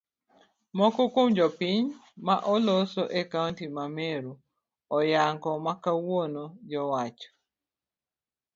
Moko kuom jopiny ma oloso e kaunti ma meru onyango makawuono jowacho